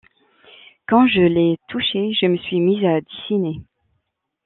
Quand je l’ai touché, je me suis mise à dessiner.